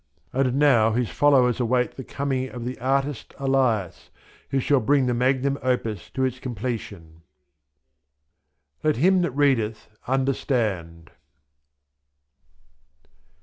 And now his followers await the coming of "the Artist Elias," who shall bring the Magnum Opus to its completion. "Let him that readeth understand."